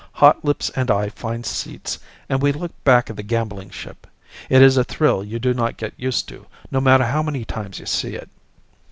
Hotlips and I find seats, and we look back at the gambling ship. It is a thrill you do not get used to, no matter how many times you see it.